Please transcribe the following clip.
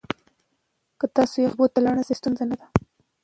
که تاسو یخو اوبو ته لاړ نشئ، ستونزه نه ده.